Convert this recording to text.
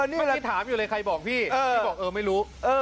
เมื่อกี้ถามอยู่เลยใครบอกพี่พี่บอกเออไม่รู้